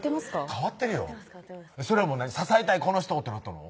変わってるよ支えたいこの人をってなったの？